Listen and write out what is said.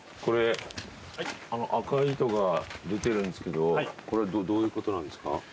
これあの赤い糸が出てるんですけどこれはどういうことなんですか？